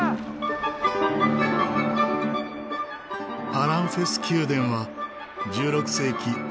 アランフェス宮殿は１６世紀スペイン国王